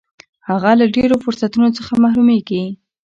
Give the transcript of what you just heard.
هغه له ډېرو فرصتونو څخه محرومیږي.